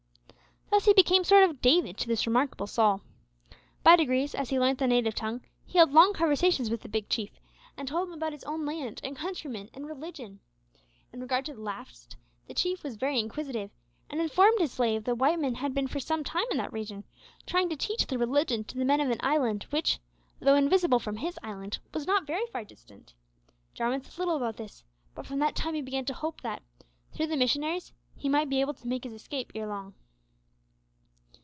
Thus he became a sort of David to this remarkable Saul. By degrees, as he learnt the native tongue, he held long conversations with the Big Chief, and told him about his own land and countrymen and religion. In regard to the last the Chief was very inquisitive, and informed his slave that white men had been for some time in that region, trying to teach their religion to the men of an island which, though invisible from his island, was not very far distant. Jarwin said little about this, but from that time he began to hope that, through the missionaries, he might be able to make his escape ere long.